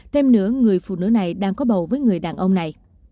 thêm nữa người phụ nữ này đang có bầu với người đàn ông này